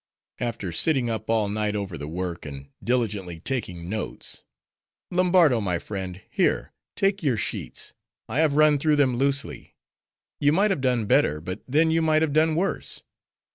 After sitting up all night over the work; and diligently taking notes:—"Lombardo, my friend! here, take your sheets. I have run through them loosely. You might have done better; but then you might have done worse.